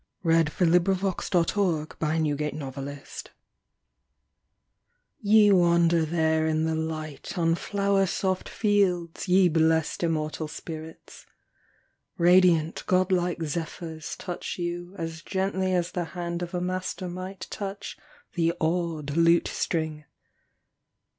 FRIEDRICH HOLDERLIN HYPERION'S SONG OF FATE* (1799) E wander there in the light On flower soft fields, ye blest immortal Spirits. Radiant godlike zephyrs Touch you as gently As the hand of a master might Touch the awed lute string.